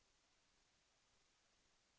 แสวได้ไงของเราก็เชียนนักอยู่ค่ะเป็นผู้ร่วมงานที่ดีมาก